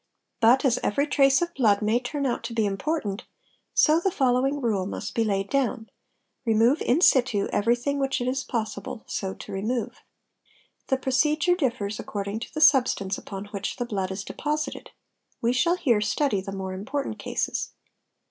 But as every trace of blood may turn out to be important, so the following rule must be laid down: remove in situ everything which it is possible so to remove. The procedure differs according to the substance upon which the blood is deposited. We shall here study the more important cases.